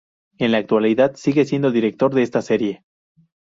En la actualidad, sigue siendo director de esta serie.